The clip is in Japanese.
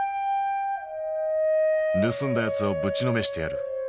「盗んだやつをぶちのめしてやる！」。